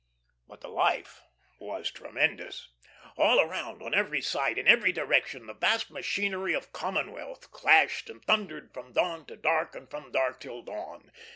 But the life was tremendous. All around, on every side, in every direction the vast machinery of Commonwealth clashed and thundered from dawn to dark and from dark till dawn.